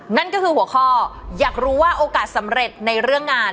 นั่นก็คือหัวข้ออยากรู้ว่าโอกาสสำเร็จในเรื่องงาน